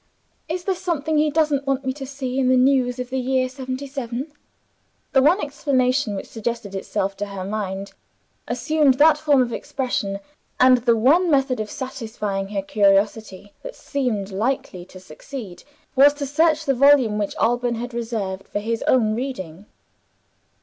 "Is there something he doesn't want me to see, in the news of the year 'seventy seven?" The one explanation which suggested itself to her mind assumed that form of expression and the one method of satisfying her curiosity that seemed likely to succeed, was to search the volume which Alban had reserved for his own reading.